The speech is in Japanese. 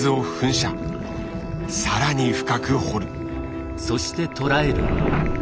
さらに深く掘る。